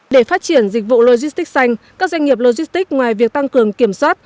để phát triển dịch vụ logistics xanh các doanh nghiệp logistics ngoài việc tăng cường kiểm soát